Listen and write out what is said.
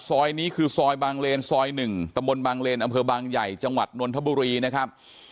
ซอยนี้คือซอยบางเลนซอย๑ตะบนบางเลนอำเภอบางใหญ่จังหวัดนนทบุรีนะครับ